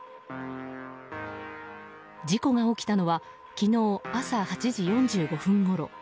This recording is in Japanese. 事故が起きたのは昨日朝８時４５分ごろ。